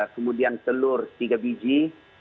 kemudian telur tiga biji